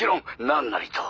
何なりと。